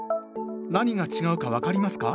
何が違うか分かりますか？